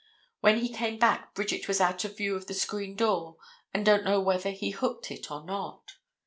When he came back Bridget was out of view of the screen door and don't know whether he hooked it or not.